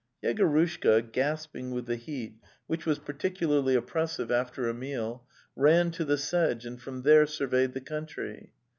Yegorushka, gasping with the heat, which was The Steppe u77 particularly oppressive after a meal, ran to the sedge and from there surveyed the country.